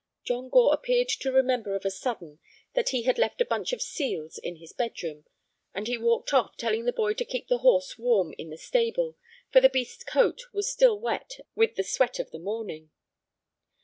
John Gore appeared to remember of a sudden that he had left a bunch of seals in his bedroom, and he walked off, telling the boy to keep the horse warm in the stable, for the beast's coat was still wet with the sweat of the morning.